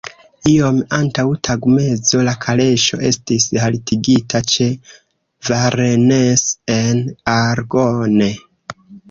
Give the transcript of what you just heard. Iom antaŭ tagmezo la kaleŝo estis haltigita ĉe Varennes-en-Argonne.